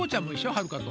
はるかと。